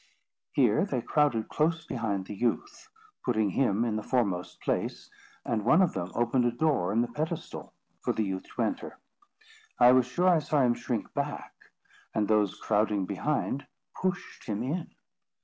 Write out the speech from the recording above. Here they crowded close behind the youth, putting him in the foremost place, and one of them opened a door in the pedestal, for the youth to enter. I was sure I saw him shrink back, and those crowding behind pushed him in.